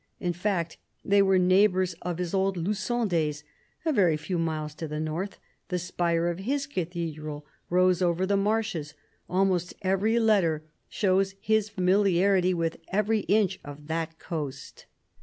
In fact, they were neighbours of his old Lu9on days ; a very few miles to the north, the spire of his cathedral rose over the marshes ; almost every letter shows his familiarity with every inch of that coast.